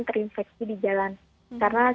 terinfeksi di jalan karena